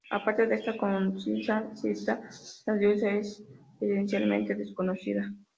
Aparte de esta concisa cita, la diosa es esencialmente desconocida.